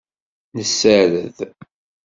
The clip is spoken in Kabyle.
Nessared.